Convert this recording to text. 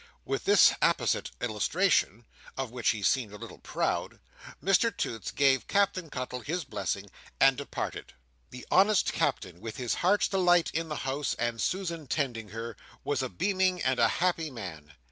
With this apposite illustration, of which he seemed a little Proud, Mr Toots gave Captain Cuttle his blessing and departed. The honest Captain, with his Heart's Delight in the house, and Susan tending her, was a beaming and a happy man.